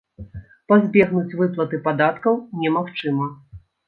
Пазбегнуць выплаты падаткаў немагчыма.